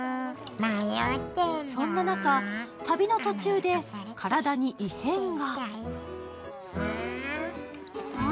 そんな中、旅の途中で体に異変が。